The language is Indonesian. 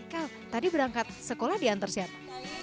kau tadi berangkat sekolah diantar siapa